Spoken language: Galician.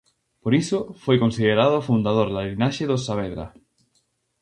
Por iso foi considerado o fundador da liñaxe dos Saavedra.